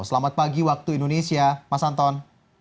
selamat pagi waktu indonesia mas anton